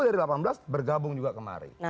dari delapan belas bergabung juga kemari